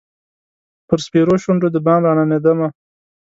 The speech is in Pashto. پر سپیرو شونډو د بام راننېدمه